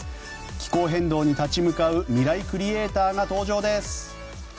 気候変動に立ち向かうミライクリエイターが登場です。